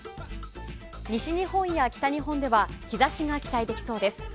西日本や北日本では日差しが期待できそうです。